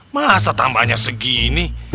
masa tambahnya segini